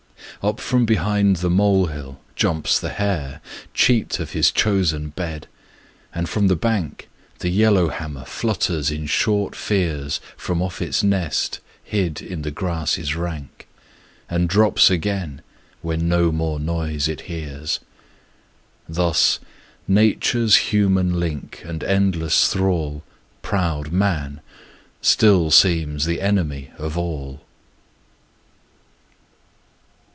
Up from behind the molehill jumps the hare, Cheat of his chosen bed, and from the bank The yellowhammer flutters in short fears From off its nest hid in the grasses rank, And drops again when no more noise it hears. Thus nature's human link and endless thrall, Proud man, still seems the enemy of all.